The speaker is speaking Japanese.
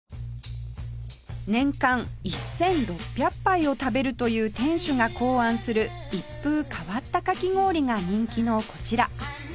年間１６００杯を食べるという店主が考案する一風変わったかき氷が人気のこちら